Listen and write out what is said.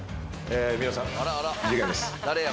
皆さん事件です。